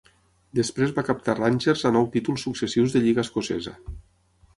Després va captar Rangers a nou títols successius de lliga escocesa.